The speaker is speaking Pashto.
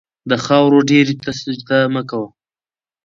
د خاورو ډېري ته سجده مه کوئ.